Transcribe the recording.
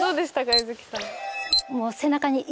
柚月さん。